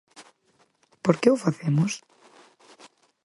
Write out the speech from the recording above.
Por que o facemos?